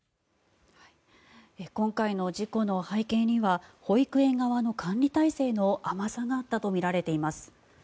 今回の事故の背景には保育園側の管理体制の甘さがあったとみられています。